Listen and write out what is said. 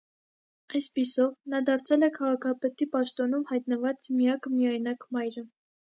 Այսպիսով, նա դարձել է քաղաքապետի պաշտոնում հայտնված միակ միայնակ մայրը։